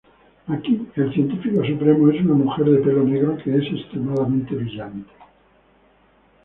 Aquí, el Científico Supremo es una mujer de pelo negro que es extremadamente brillante.